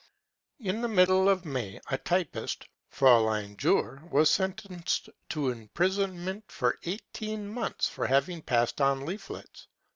In the middle of May a typist, Fraulein Jurr, was sen tenced to imprisonment for eighteen months for having passed on leaflets.